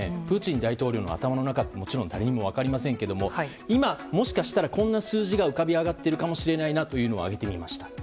プーチン大統領の頭の中はもちろん誰にも分かりませんが今、もしかしたらこんな数字が浮かび上がっているかもしれないなというのを挙げてみました。